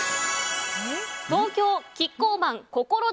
東京キッコーマンこころ